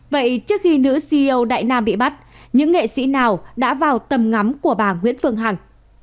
vậy trước khi nữ ceo đại nam bị bắt những nghệ sĩ nào đã vào tầm ngắm của bà nguyễn phương hằng